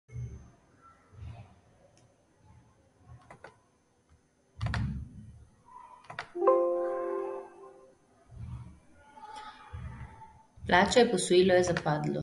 Plačaj, posojilo je zapadlo.